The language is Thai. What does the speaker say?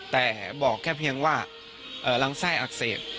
แต่บอกแค่เพียงว่าลำไส้อักเสบ